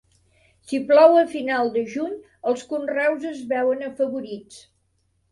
Si plou a final de juny, els conreus es veuen afavorits.